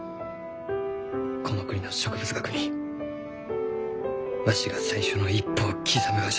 この国の植物学にわしが最初の一歩を刻むがじゃ。